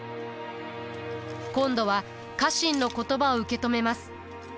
今度は家臣の言葉を受け止めます。